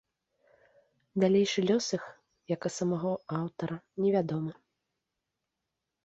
Далейшы лёс іх, як і самога аўтара, невядомы.